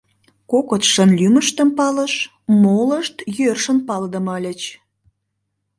Кокытшын лӱмыштым палыш, молышт йӧршын палыдыме ыльыч.